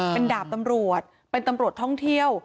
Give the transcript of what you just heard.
เป็นดาบตำรวจเป็นตำรวจท่องเที่ยว